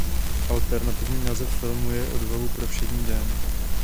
Alternativní název filmu je "Odvahu pro všední den".